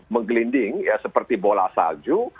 menggelinding ya seperti bola salju